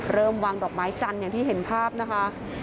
วางดอกไม้จันทร์อย่างที่เห็นภาพนะคะ